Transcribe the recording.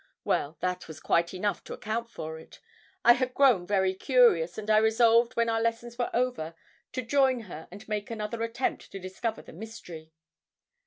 Well, that was quite enough to account for it. I had grown very curious, and I resolved when our lessons were over to join her and make another attempt to discover the mystery.